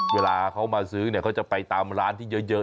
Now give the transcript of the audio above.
เวลาเขามาซื้อเขาจะไปตามร้านที่เยอะนี่แหละ